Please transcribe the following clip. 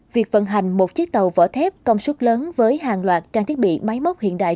việc vận hành một chiếc tàu vỏ thép công suất lớn với hàng loạt trang thiết bị máy móc hiện đại